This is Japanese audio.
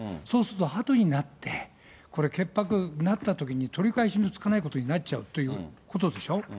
そうするとあとになって、潔白になったときに取り返しのつかないことになっちゃうということでしょ？